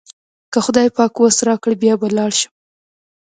کله خدای پاک وس راکړ بیا به لاړ شم.